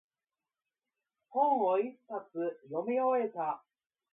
本を一冊読み終えた。